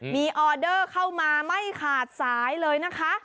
มีออเดอร์เข้ามาไม่ขาดสายเลยนะคะ